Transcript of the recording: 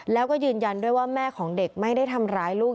แล้วก็ยืนยันด้วยว่าแม่ของเด็กไม่ได้ทำร้ายลูก